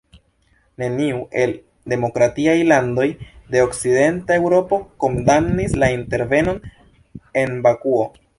Neniu el demokratiaj landoj de Okcidenta Eŭropo kondamnis la intervenon en Bakuo.